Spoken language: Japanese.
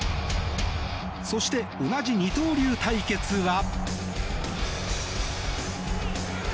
そして、同じ二刀流対決は。